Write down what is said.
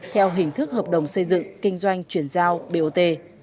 theo hình thức hợp đồng xây dựng kinh doanh chuyển giao bot